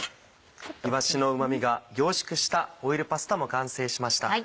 いわしのうまみが凝縮したオイルパスタも完成しました。